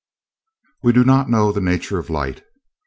We do not know the nature of light.